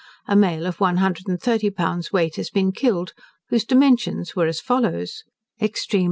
A male of one hundred and thirty pounds weight has been killed, whose dimensions were as follows: Feet.